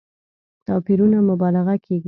توپيرونو مبالغه کېږي.